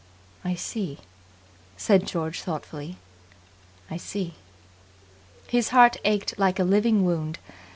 "I see," said George thoughtfully. "I see." His heart ached like a living wound.